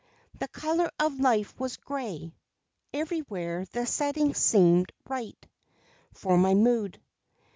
The color of life was gray. Everywhere the setting seemed right For my mood.